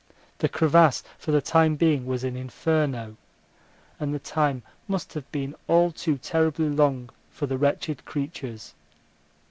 The crevasse for the time being was an inferno, and the time must have been all too terribly long for the wretched creatures.